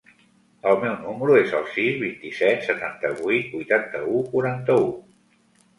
El meu número es el sis, vint-i-set, setanta-vuit, vuitanta-u, quaranta-u.